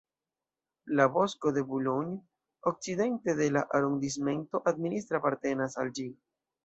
La bosko de Boulogne, okcidente de la arondismento, administre apartenas al ĝi.